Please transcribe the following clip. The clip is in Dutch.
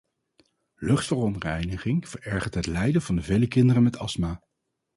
Luchtverontreiniging verergert het lijden van de vele kinderen met astma.